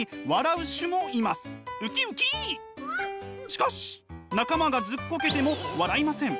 しかし仲間がずっこけても笑いません。